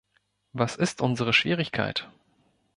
Was ist unsere Schwierigkeit?